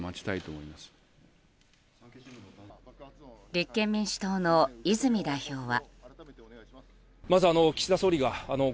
立憲民主党の泉代表は。